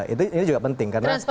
itu juga penting